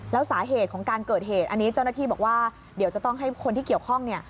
แล้วสาเหตุของการเกิดเหตุอันนี้เจ้าหน้าที่บอกว่าเดี๋ยวจะต้องให้คนที่เกี่ยวข้องเนี่ย